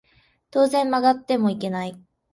当然曲がってもいけない